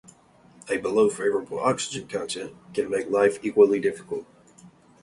A below-favorable oxygen content can make life equally difficult.